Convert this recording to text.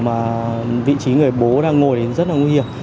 mà vị trí người bố đang ngồi thì rất là nguy hiểm